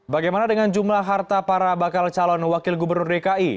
bagaimana dengan jumlah harta para bakal calon wakil gubernur dki